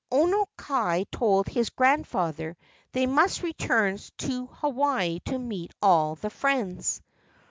Lono kai told his grandfather they must return to Hawaii to meet all the friends.